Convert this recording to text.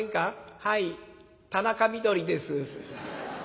「はい田中みどりです」。